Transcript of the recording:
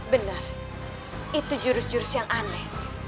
benar itu jurus jurus yang aneh